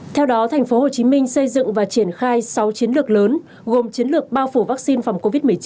theo đó tp hcm xây dựng và triển khai sáu chiến lược lớn gồm chiến lược bao phủ vaccine phòng covid một mươi chín